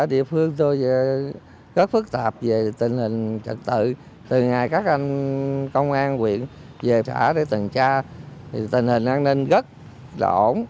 điều này rất phức tạp về tình hình trật tự từ ngày các anh công an huyện về xã để tần tra thì tình hình an ninh rất đổn